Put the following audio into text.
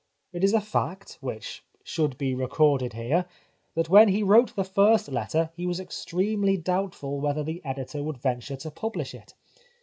It is a fact, which should be recorded here, that when he wrote the first letter he was extremely doubt ful whether the editor would venture to publish it.